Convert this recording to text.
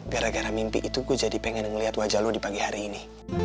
gara gara mimpi itu gue jadi pengen ngeliat wajah lo di pagi hari ini